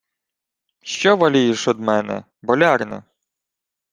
— Що волієш од мене, болярине?